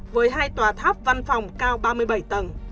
với hai tòa tháp văn phòng cao ba mươi bảy tầng